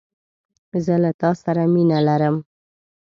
زه له تا سره مینه لرم